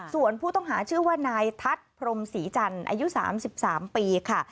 ส่วนผู้ต้องหาชื่อว่านายทัศน์พรมศรีจันทร์อายุ๓๓ปีค่ะ